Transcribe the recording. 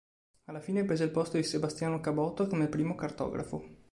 Alla fine prese il posto di Sebastiano Caboto come primo cartografo.